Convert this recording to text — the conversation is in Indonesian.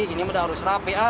ini udah harus rapi